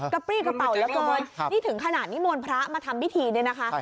กะปรี้กระเป๋าเหลือเกินถึงขนาดนี้มนต์พระมาทำวิธีด้วยนะคะ